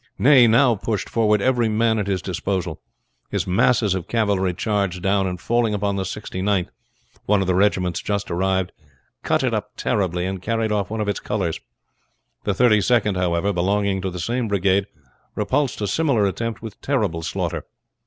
Ney now pushed forward every man at his disposal. His masses of cavalry charged down, and falling upon the Sixty ninth, one of the regiments just arrived, cut it up terribly, and carried off one of its colors. The Thirty second, however, belonging to the same brigade, repulsed a similar attempt with terrible slaughter.